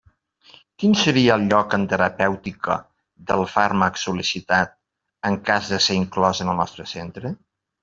Quin seria el lloc en terapèutica del fàrmac sol·licitat, en cas de ser inclòs en el nostre centre?